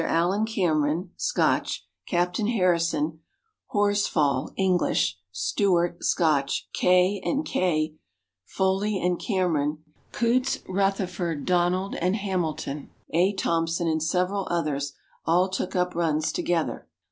Allan Cameron (Scotch), Captain Harrison, Horsfall (English), Stewart (Scotch), Cay and Kaye, Foley & Cameron, Coutts, Rutherford, Donald and Hamilton, A. Thomson, and several others, all took up runs together.